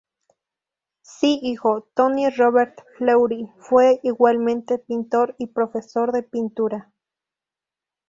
Su hijo, Tony Robert-Fleury, fue igualmente pintor y profesor de pintura.